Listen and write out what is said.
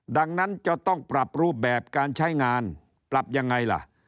ดังนั้นจะต้องปรับรูปแบบการใช้งานปรับยังไงล่ะ